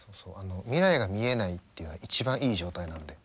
未来が見えないっていうのは一番いい状態なんで。